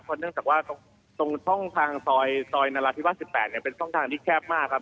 เพราะเนื่องจากว่าตรงช่องทางซอยซอยนรที่ว่า๑๘เนี่ยเป็นช่องทางที่แคบมากครับ